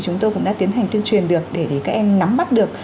chúng tôi cũng đã tiến hành tuyên truyền được để các em nắm bắt được